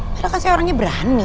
padahal saya orangnya berani